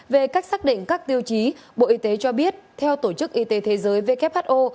về cách xác định các tiêu chí bộ y tế cho biết theo tổ chức y tế thế giới who